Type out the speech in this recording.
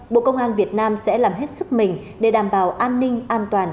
bộ công an việt nam sẽ làm hết sức mình để đảm bảo an ninh an toàn